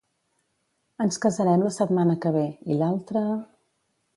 Ens casarem la setmana que ve, i l'altra….